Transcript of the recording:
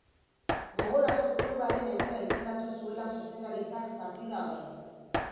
Gogoratu klubaren eguna izendatu zuela zuzendaritzak partida hori.